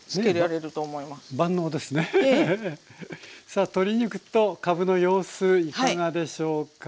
さあ鶏肉とかぶの様子いかがでしょうか？